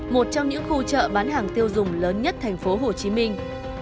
một trong những khu chợ bán hàng tiêu dùng lớn nhất thành phố hồ chí minh